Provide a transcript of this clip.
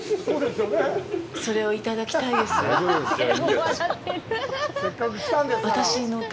それをいただきたいですが。